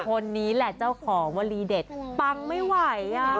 คนนี้แหละเจ้าของวลีเด็ดปังไม่ไหว